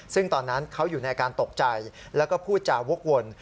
ซึ่งตอนนั้นเขาอยู่ในอาการตกใจแล้วก็พูดจาวกวน